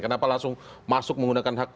kenapa langsung masuk menggunakan hak